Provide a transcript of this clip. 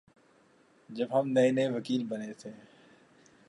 جب ہم نئے نئے وکیل بنے تھے